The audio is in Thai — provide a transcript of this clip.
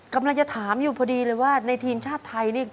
กำลังจะถามอยู่พอดีเลยว่าในทีมชาติไทยนี่